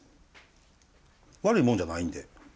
悪いもんじゃないんで。